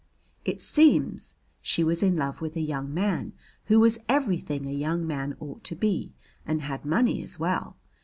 It seems she was in love with a young man who was everything a young man ought to be and had money as well.